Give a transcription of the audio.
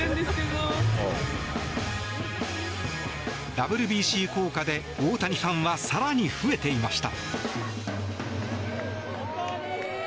ＷＢＣ効果で大谷ファンは更に増えていました。